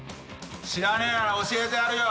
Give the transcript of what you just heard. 知らねえなら教えてやるよ。